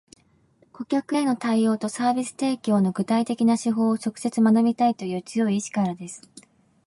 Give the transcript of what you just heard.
顧客への対応とサービス提供の具体的な手法を直接学びたいという強い意志からです